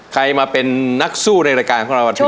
ใครมาเป็นนักสู้ในรการของคุณน์